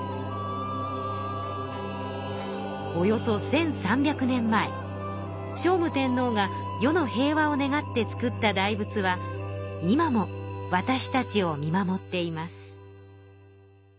およそ１，３００年前聖武天皇が世の平和を願って造った大仏は今もわたしたちを見守っています。